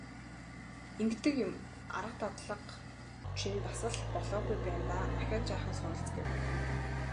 Ингэдэг юм, арга дадлага чинь бас л болоогүй байна даа, ахиад жаахан суралц гэв.